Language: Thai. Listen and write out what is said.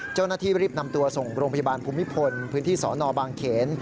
เจ้าหน้าที่รีบนำตัวส่งโรงพยาบาลภูมิพลพื้นที่สนบางเขน